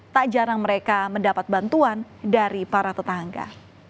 tak jarang mereka mendapat bantuan dari para tetangga